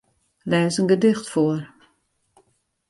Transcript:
Lês in gedicht foar.